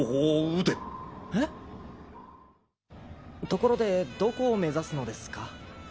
ところでどこを目指すのですか？